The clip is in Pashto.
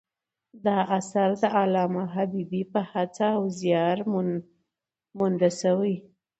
دا اثر د علامه حبیبي په هڅه او زیار مونده سوی دﺉ.